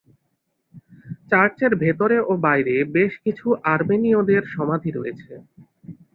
চার্চের ভেতরে ও বাইরে বেশ কিছু আর্মেনীয়দের সমাধি রয়েছে।